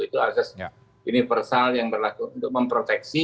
itu asas universal yang berlaku untuk memproteksi